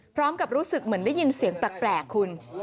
รู้สึกเหมือนได้ยินเสียงแปลกคุณ